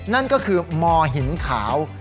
นั่นก็คือมหินขาว